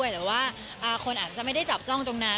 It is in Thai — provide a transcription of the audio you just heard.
แต่ว่าคนอาจจะไม่ได้จับจ้องตรงนั้น